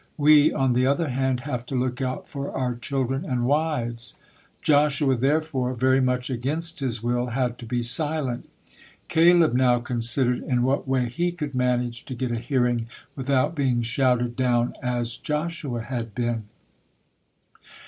We, on the other hand, have to look out for our children and wives." Joshua, therefore, very much against his will, had to be silent. Caleb now considered in what way he could manage to get a hearing without being shouted down as Joshua had been.